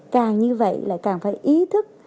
càng như vậy là càng phải ý thức